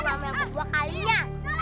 sampai jumpa dua kalinya